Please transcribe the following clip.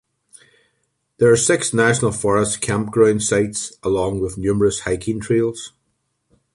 There are six National Forest campground sites, along with numerous hiking trails.